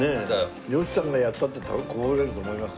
吉ちゃんがやったって多分こぼれると思いますよ。